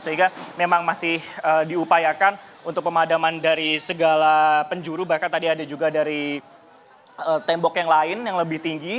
sehingga memang masih diupayakan untuk pemadaman dari segala penjuru bahkan tadi ada juga dari tembok yang lain yang lebih tinggi